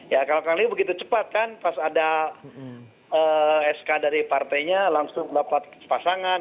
ya kalau kami begitu cepat kan pas ada sk dari partainya langsung dapat pasangan